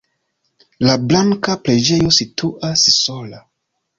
La blanka preĝejo situas sola.